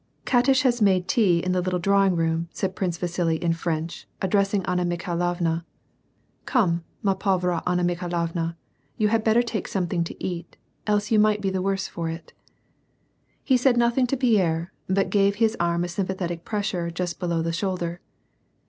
"Katish has had tea made in the little drawing room," said Prince Vasili in French, addressing Anna Mikhailovna. " Come, ma pauvre Anna Mikhailovna, you had better take something to eat ; else you might be the worse for it." He said nothing to Pierre, but gave his arm a sympathetic pressure just below the shoulder.